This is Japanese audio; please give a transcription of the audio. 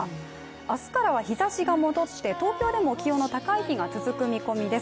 明日からは日ざしが戻って東京でも気温が高い日が続く見込みです。